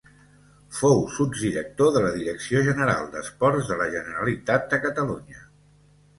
Fou sotsdirector de la Direcció General d'Esports de la Generalitat de Catalunya.